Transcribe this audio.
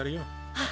あっ。